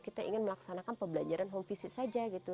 kita ingin melaksanakan pebelajaran home visit saja